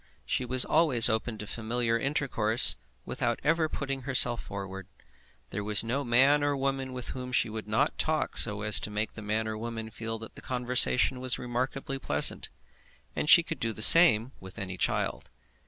She was always open to familiar intercourse without ever putting herself forward. There was no man or woman with whom she would not so talk as to make the man or woman feel that the conversation was remarkably pleasant, and she could do the same with any child.